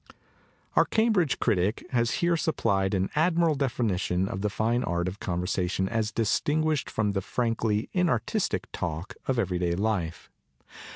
Our Cambridge critic has here supplied an admirable definition of the line art of com tion as distinguished from the frankly inartistic talk of every day life.